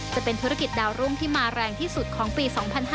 จะเป็นธุรกิจดาวรุ่งที่มาแรงที่สุดของปี๒๕๕๙